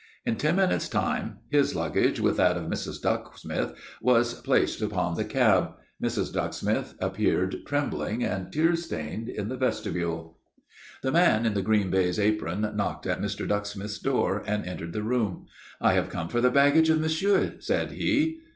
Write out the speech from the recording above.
In ten minutes' time his luggage with that of Mrs. Ducksmith was placed upon the cab. Mrs. Ducksmith appeared trembling and tear stained in the vestibule. The man in the green baize apron knocked at Mr. Ducksmith's door and entered the room. "I have come for the baggage of monsieur," said he.